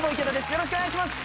よろしくお願いします。